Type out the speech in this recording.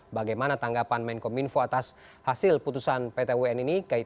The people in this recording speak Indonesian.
bagaimana tanggapan menkominfo atas hasil putusan pt un ini